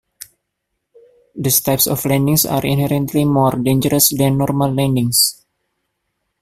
These types of landings are inherently more dangerous than normal landings.